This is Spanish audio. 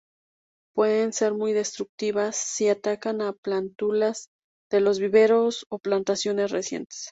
Pueden ser muy destructivas si atacan a plántulas de los viveros o plantaciones recientes.